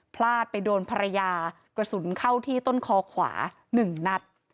พลาดไปโดนภรรยากระสุนเข้าที่ต้นคอขวา๑นัด